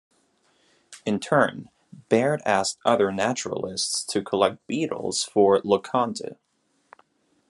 In turn Baird asked other naturalists to collect beetles for LeConte.